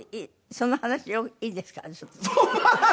その話いいです。